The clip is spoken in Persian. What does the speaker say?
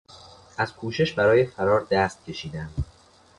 از کوشش برای فرار دست کشیدند.